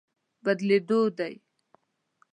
بدلېدو دی.